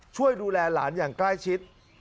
ช่วยดูแลหลานอย่างใกล้ชิด